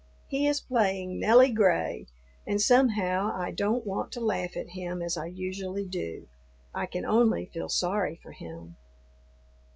He is playing "Nelly Gray," and somehow I don't want to laugh at him as I usually do; I can only feel sorry for him.